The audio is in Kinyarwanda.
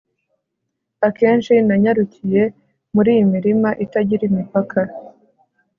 akenshi nanyarukiye muri iyi mirima itagira imipaka